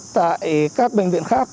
tại các bệnh viện khác